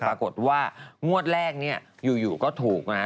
ปรากฏว่างวดแรกเนี่ยอยู่ก็ถูกนะ